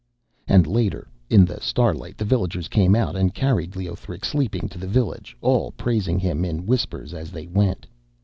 And later in the starlight the villagers came out and carried Leothric, sleeping, to the village, all praising him in whispers as they went.